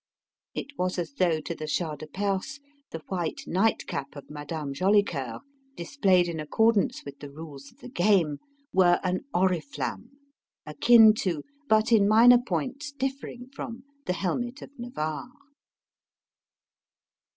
It was as though to the Shah de Perse the white night cap of Madame Jolicoeur, displayed in accordance with the rules of the game, were an oriflamme: akin to, but in minor points differing from, the helmet of Navarre.